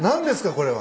これは。